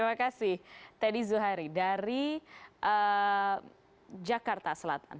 terima kasih teddy zuhari dari jakarta selatan